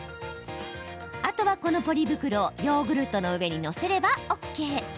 あとは、このポリ袋をヨーグルトの上に載せればＯＫ。